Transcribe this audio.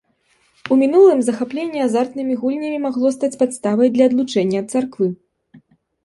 У мінулым захапленне азартнымі гульнямі магло стаць падставай для адлучэння ад царквы.